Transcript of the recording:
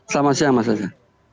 selamat siang mas aja